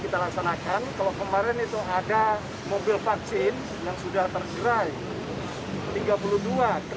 ketiar yang dilakukan saat ini merupakan langkah langkah lanjutan